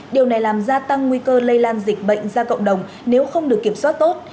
điều này làm gia tăng nguy cơ lây lan dịch bệnh ra cộng đồng nếu không được kiểm soát tốt